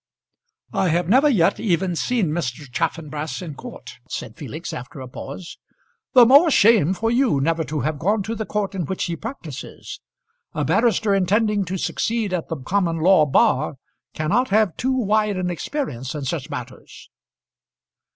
"I have never yet even seen Mr. Chaffanbrass in court," said Felix, after a pause. "The more shame for you, never to have gone to the court in which he practises. A barrister intending to succeed at the common law bar cannot have too wide an experience in such matters."